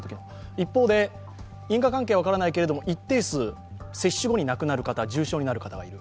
一方で、因果関係は分からないけれども一定数、接種後に亡くなる、重症化する方もいる。